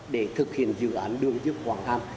để thực hiện dự án đường dưới quảng hàm